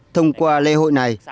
thông qua lễ hội này